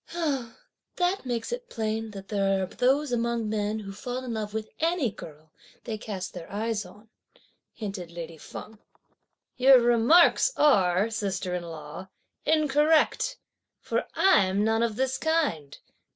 "That makes it plain that there are those among men who fall in love with any girl they cast their eyes on," hinted lady Feng. "Your remarks are, sister in law, incorrect, for I'm none of this kind!"